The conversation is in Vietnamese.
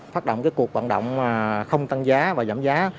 phát động cuộc vận động không tăng giá và giảm giá